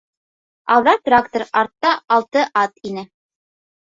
Алда трактор, артта алты ат ине.